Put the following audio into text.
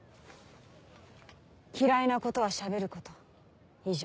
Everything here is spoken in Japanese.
嫌いなことは喋ること以上。